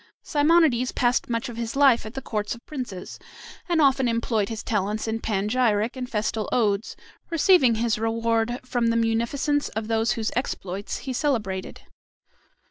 Simonides passed much of his life at the courts of princes, and often employed his talents in panegyric and festal odes, receiving his reward from the munificence of those whose exploits he celebrated.